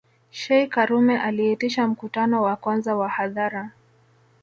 Sheikh karume aliitisha mkutano wa kwanza wa hadhara